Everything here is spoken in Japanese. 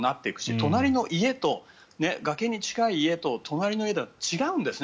隣の家と崖に近い家と隣の家では違うんですね。